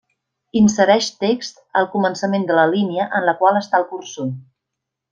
Insereix text al començament de la línia en la qual està el cursor.